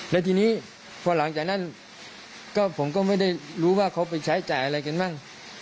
แล้วทีนี้พอหลังจากนั้นก็ผมก็ไม่ได้รู้ว่าเขาไปใช้จ่ายอะไรกันบ้าง